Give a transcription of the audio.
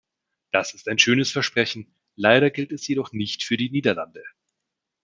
Das ist ein schönes Versprechen, leider gilt es jedoch nicht für die Niederlande.